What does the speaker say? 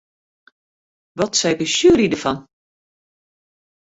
Wat seit de sjuery derfan?